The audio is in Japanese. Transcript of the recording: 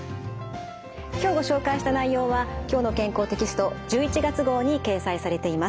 今日ご紹介した内容は「きょうの健康」テキスト１１月号に掲載されています。